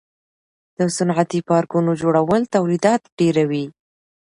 د صنعتي پارکونو جوړول تولیدات ډیروي.